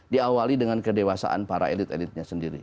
diawali dengan kedewasaan para elit elitnya sendiri